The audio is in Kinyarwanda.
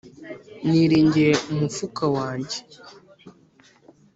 Niringiye umufuka wanjye